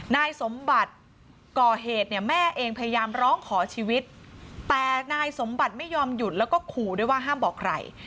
นายสมบัติก่อเหตุเนี่ยแม่เองพยายามร้องขอชีวิตแต่นายสมบัติไม่ยอมหยุดแล้วก็ขู่ด้วยว่าห้ามบอกใคร